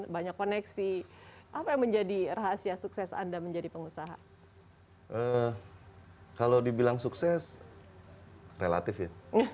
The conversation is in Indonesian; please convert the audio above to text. banyak koneksi apa yang menjadi rahasia sukses anda menjadi pengusaha kalau dibilang sukses relatif ya